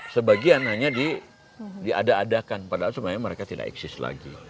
sebagian hanya diada adakan padahal sebenarnya mereka tidak eksis lagi